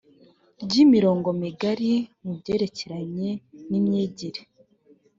ry imirongo migari mu byerekeranye n imyigire